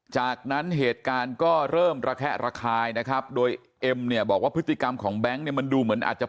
จากนั้นเหตุการณ์ก็เริ่มระแคะระคายนะครับโดยเอ็มเนี่ยบอกว่าพฤติกรรมของแบงค์เนี่ยมันดูเหมือนอาจจะ